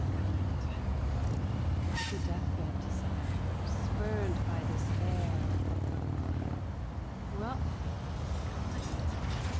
8. Kind? but the deathbed desire Spurn'd by this heir of the liar Rough but kind?